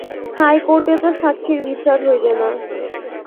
হাইকোর্টে তো সাক্ষীর বিচার হইবে না।